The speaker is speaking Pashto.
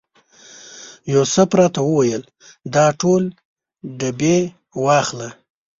یوسف راته وویل دا ټول ډبې واخله.